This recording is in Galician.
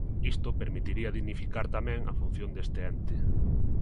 Isto permitiría dignificar tamén a función deste ente.